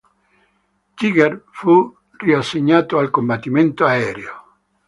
Yeager fu riassegnato al combattimento aereo.